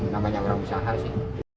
nampaknya orang bisa harusin